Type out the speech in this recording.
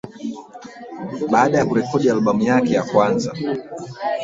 Baada ya kurekodi albamu yake ya kwanza